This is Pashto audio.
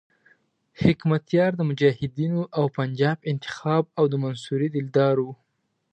حکمتیار د مجاهدینو او پنجاب انتخاب او د منصوري دلدار وو.